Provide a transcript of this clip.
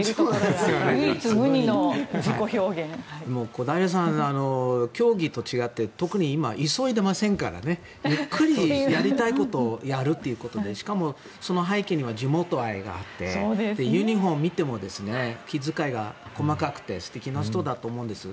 小平さん、競技と違って特に今、急いでませんからゆっくりやりたいことをやるということでしかもその背景には地元愛があってユニホームを見ても気遣いが細かくて素敵な人だと思うんです。